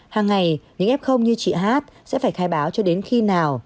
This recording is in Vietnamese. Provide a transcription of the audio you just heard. hàng ngày những f như chị hát sẽ phải khai báo cho đến khi nào